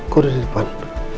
kok udah di depan